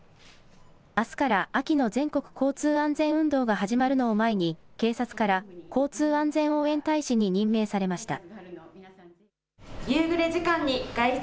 あすから秋の全国交通安全運動が始まるのを前に警察から交通安全応援大使に任命されました。